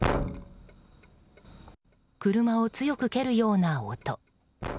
車を強く蹴るような音。